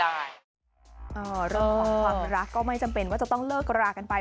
เรื่องของความรักก็ไม่จำเป็นว่าจะต้องเลิกรากันไป